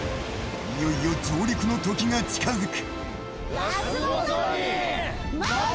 いよいよ上陸の時が近づく。